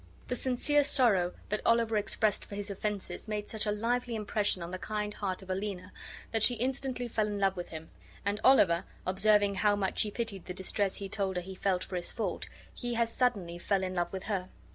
The sincere sorrow that Oliver expressed for his offenses made such a lively impression on the kind heart of Aliena that she instantly fell in love with him; and Oliver observing how much she pitied the distress he told her he felt for his fault, he as suddenly fell in love with her.